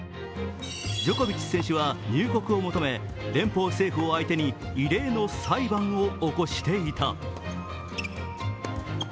ジョコビッチ選手は入国を求め連邦政府を相手に異例の裁判を起こしていた。